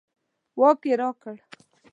واک یې راکړ.